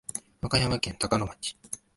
和歌山県高野町